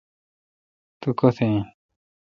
تو کتہ این؟